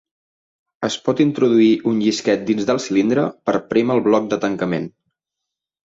Es pot introduir un llisquet dins del cilindre per prémer el bloc de tancament.